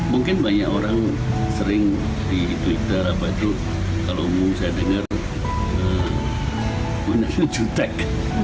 mungkin banyak orang sering di twitter kalau mau saya dengar bondan jutek